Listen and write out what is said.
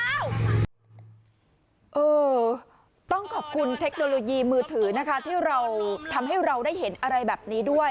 เออต้องขอบคุณเทคโนโลยีมือถือนะคะที่เราทำให้เราได้เห็นอะไรแบบนี้ด้วย